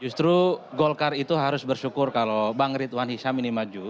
justru golkar itu harus bersyukur kalau bang ritwan hisam ini maju